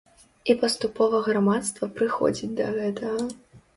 І паступова грамадства прыходзіць да гэтага.